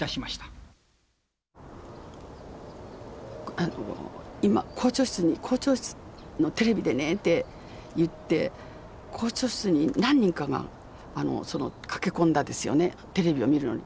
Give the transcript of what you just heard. あの今校長室に校長室のテレビでねって言って校長室に何人かが駆け込んだですよねテレビを見るのに。